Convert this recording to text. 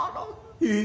ええ。